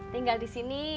tinggal di sini